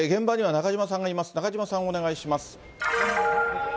中島さん、お願いします。